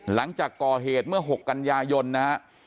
หลังจากก่อเหตุเมื่อ๖กันยายนนะฮะ